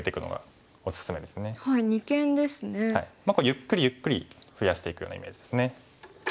ゆっくりゆっくり増やしていくようなイメージですね。